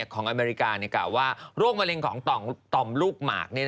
อเมริกากล่าวว่าโรคมะเร็งของต่อมลูกหมาก